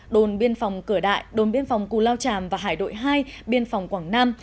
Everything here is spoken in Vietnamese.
đồn biên phòng cửa đại đồn biên phòng cù lao tràm và hải đội hai biên phòng quảng nam